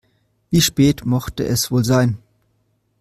Wie spät mochte es wohl sein?